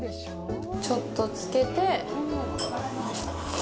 ちょっとつけて。